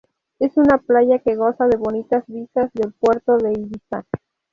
Es una playa que goza de bonitas vistas del puerto de Ibiza.